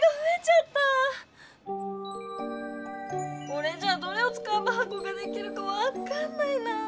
これじゃあどれをつかえばはこができるかわかんないなぁ。